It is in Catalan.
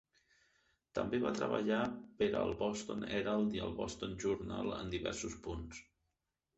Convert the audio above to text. També va treballar per al "Boston Herald" i el "Boston Journal" en diversos punts.